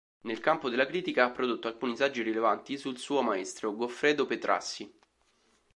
Nel campo della critica ha prodotto alcuni saggi rilevanti sul suo maestro, Goffredo Petrassi.